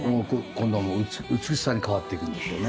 今度はもう美しさに変わっていくんですよね。